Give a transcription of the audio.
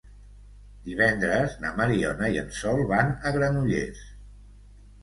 Divendres na Mariona i en Sol van a Granollers.